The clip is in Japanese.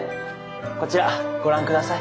こちらご覧下さい。